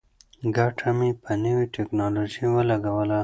ګټه مې په نوې ټیکنالوژۍ ولګوله.